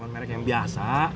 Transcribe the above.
merek yang biasa